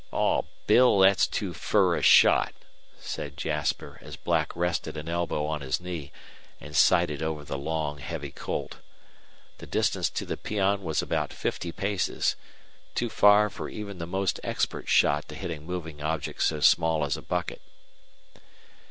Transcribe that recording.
"Aw, Bill, thet's too fur a shot," said Jasper, as Black rested an elbow on his knee and sighted over the long, heavy Colt. The distance to the peon was about fifty paces, too far for even the most expert shot to hit a moving object so small as a bucket.